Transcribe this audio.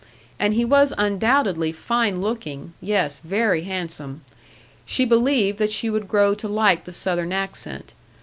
And he was undoubtedly fine looking; yes, very handsome. She believed that she would grow to like the Southern accent.